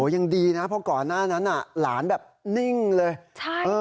อย่างดีนะเพราะก่อนหน้านั้นล้านแบบนิ่งเลย